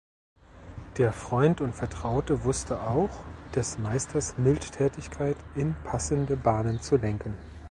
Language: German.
Der Freund und Vertraute wusste auch des Meisters Mildtätigkeit in passende Bahnen zu lenken.